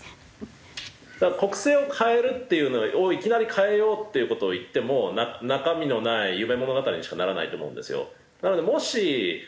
だから国政を変えるっていうのをいきなり変えようっていう事を言っても中身のない夢物語にしかならないと思うんですよ。